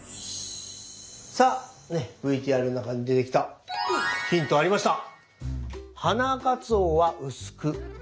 さあねＶＴＲの中に出てきたヒントありました。